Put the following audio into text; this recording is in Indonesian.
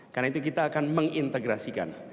karena itu kita akan mengintegrasikan